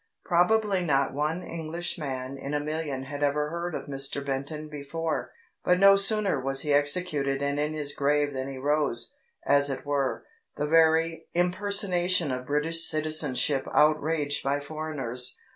Probably not one Englishman in a million had ever heard of Mr Benton before, but no sooner was he executed and in his grave than he rose, as it were, the very impersonation of British citizenship outraged by foreigners.